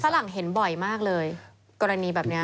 หลังเห็นบ่อยมากเลยกรณีแบบนี้